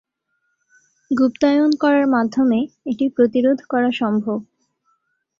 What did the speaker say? গুপ্তায়ন করার মাধ্যমে এটি প্রতিরোধ করা সম্ভব।